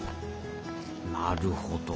なるほど。